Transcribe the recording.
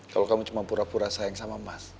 kalau kamu cuma pura pura sayang sama emas